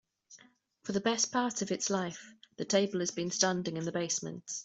For the best part of its life, the table has been standing in the basement.